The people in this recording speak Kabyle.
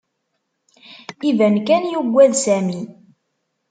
Iban kan yuggad Sami.